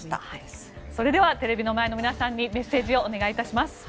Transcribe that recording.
テレビの前の皆さんにメッセージお願いします。